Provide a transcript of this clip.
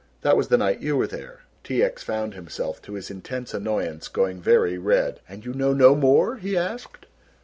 That was the night you were there." T. X. found himself to his intense annoyance going very red. "And you know no more?" he asked.